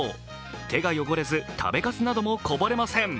手が汚れず食べかすなどもこぼれません。